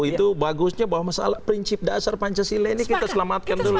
itu bagusnya bahwa masalah prinsip dasar pancasila ini kita selamatkan dulu